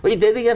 y tế tự nhiên